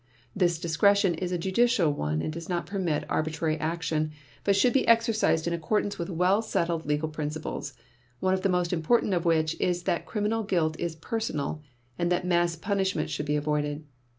This discretion is a judicial one and does not permit arbitrary action, but should be exercised in accordance with well settled legal principles, one of the most important of which is that criminal guilt is personal, and that mass punishments should be avoided.